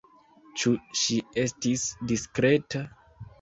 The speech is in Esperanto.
Ĉu ŝi estis diskreta?